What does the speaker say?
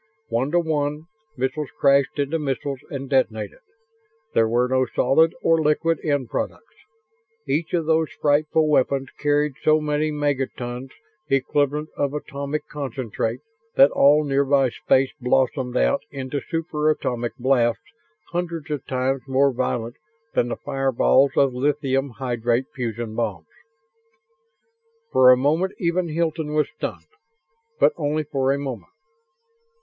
One to one, missiles crashed into missiles and detonated. There were no solid or liquid end products. Each of those frightful weapons carried so many megatons equivalent of atomic concentrate that all nearby space blossomed out into superatomic blasts hundreds of times more violent than the fireballs of lithium hydride fusion bombs. For a moment even Hilton was stunned; but only for a moment.